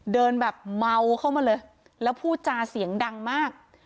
เดินแบบเมาเข้ามาเลยแล้วพูดจาเสียงดังมาก